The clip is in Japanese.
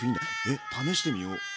えっ試してみよ！